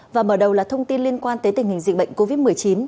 và mở đầu là thông tin liên quan tới tình hình dịch bệnh covid một mươi chín